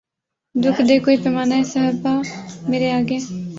رکھ دے کوئی پیمانۂ صہبا مرے آگے